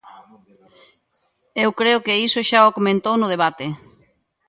Eu creo que iso xa o comentou no debate.